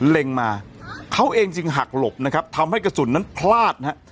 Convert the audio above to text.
เล็งมาเขาเองจึงหักหลบนะครับทำให้กระสุนนั้นพลาดนะฮะ